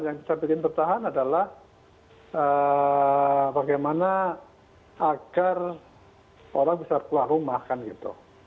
yang kita bikin bertahan adalah bagaimana agar orang bisa keluar rumah kan gitu